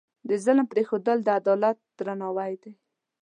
د ظلم پرېښودل، د عدالت درناوی دی.